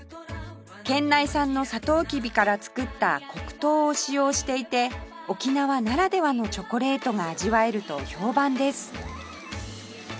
県内産のサトウキビから作った黒糖を使用していて沖縄ならではのチョコレートが味わえると評判です